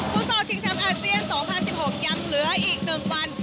ฟุตซอลชิงชัมป์อาเซียน๒๐๑๖ยังเหลืออีกหนึ่งวัน